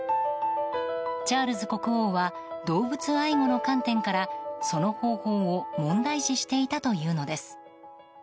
チャールズ国王は動物愛護の観点からその方法を問題視していたというのです。